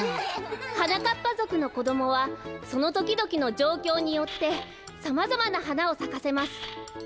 はなかっぱぞくのこどもはそのときどきのじょうきょうによってさまざまなはなをさかせます。